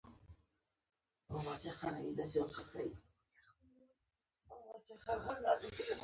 کومې میوې تاسې ته منی در په یادوي؟